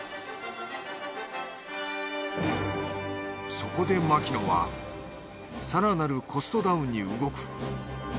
そこで牧野は更なるコストダウンに動く。